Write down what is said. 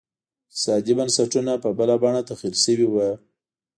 اقتصادي بنسټونه په بله بڼه تغیر شوي وو.